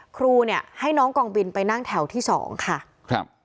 ครูให้น้องกองบินไปนั่งแถวที่๒ค่ะ